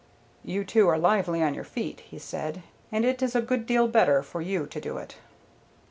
"You two are lively on your feet," he said. "And it is a good deal better for you to do it."